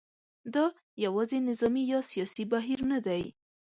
دا یوازې نظامي یا سیاسي بهیر نه دی.